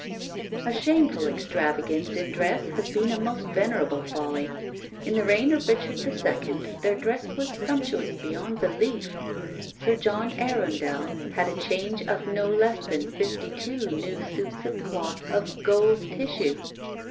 A shameful extravagance in dress has been a most venerable folly. In the reign of Richard II. their dress was sumptuous beyond belief. Sir John Arundel had a change of no less than fifty two new suits of cloth of gold tissue.